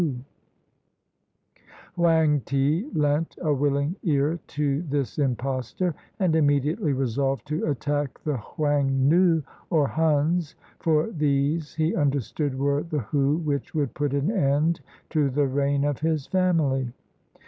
Hoang ti lent a wilUng ear to this impostor, and immediately resolved to attack the Heung noo, or Huns, for these he understood were the "Hoo" which would put an end to the reign of his family.